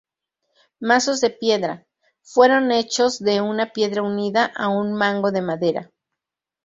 Mazos de Piedra: Fueron hechos de una piedra unida a un mango de madera.